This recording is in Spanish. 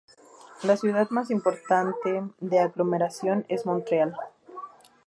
La ciudad más importante de la aglomeración es Montreal.